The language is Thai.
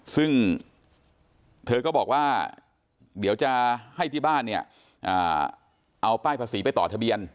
ซึ่งเธอก็บอกว่าเดี๋ยวจะให้ที่บ้านเนี่ยเอาป้ายภาษีไปต่อทะเบียน